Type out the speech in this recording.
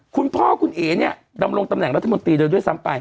คุณพ่อคุณเอ๋เนี่ยดำรงตำแหน่งรัฐมนตรีโดยด้วยซ้ำไป